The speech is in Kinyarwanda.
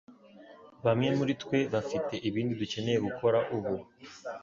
Bamwe muri twe bafite ibindi dukeneye gukora ubu.